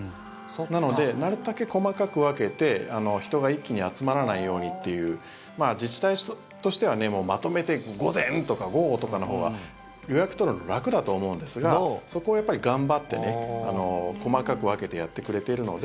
なので、なるたけ細かく分けて人が一気に集まらないようにという自治体としては、まとめて午前とか午後とかのほうが予約を取るのは楽だと思うんですがそこは、やっぱり頑張って細かく分けてやってくれているので。